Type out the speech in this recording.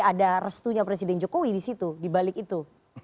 ada restunya presiden jokowi di situ di balik itu